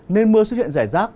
nên mưa xuất hiện rải rác